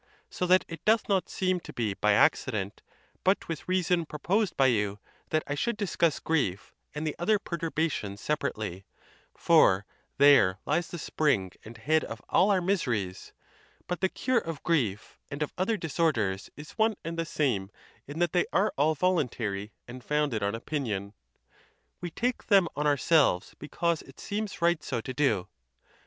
So that it doth not seem to be by accident, but with reason proposed by you, that I should discuss grief, and the other perturbations separately ; for there lies the spring and head of all our miseries; but the cure of grief, and of other dis orders, is one and the same in that they are all voluntary, and founded on opinion; we take them on ourselves be cause it seems right so to do.